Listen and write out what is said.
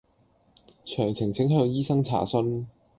詳情請向醫生查詢